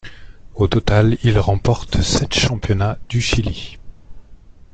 Au total il remporte sept Championnats du Chili.